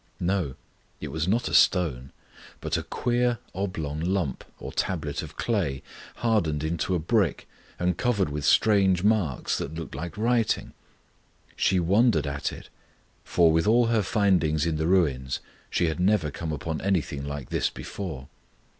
No, it was not a stone, but a queer oblong lump, or tablet of clay, hardened into a brick, and covered with strange marks that looked like writing. She wondered at it, for with all her findings in the ruins she had never come upon anything like this before.